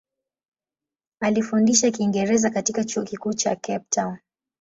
Alifundisha Kiingereza katika Chuo Kikuu cha Cape Town.